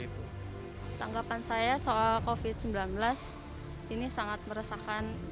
tanggapan saya soal covid sembilan belas ini sangat meresahkan